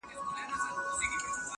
په خِصلت درویش دی یاره نور سلطان دی-